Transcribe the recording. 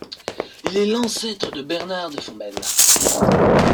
Il est l'ancêtre de Bernard de Fombelle.